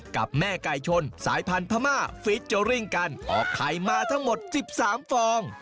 กับแม่ไก่ชนสายพันธ์พม่าฟิจโจริงกันออกไทยมาทั้งหมดสิบสามฟอง